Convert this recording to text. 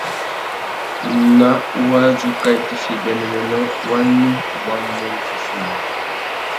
Ná wadjú kā itifiya ibianéwénô, wani wá mú wuffúffuna?